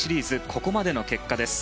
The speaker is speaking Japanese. ここまでの結果です。